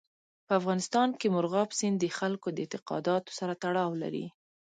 په افغانستان کې مورغاب سیند د خلکو د اعتقاداتو سره تړاو لري.